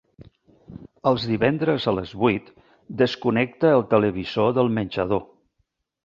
Els divendres a les vuit desconnecta el televisor del menjador.